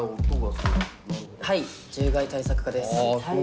☎はい獣害対策課です。